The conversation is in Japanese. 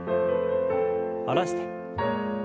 下ろして。